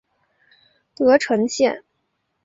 德城线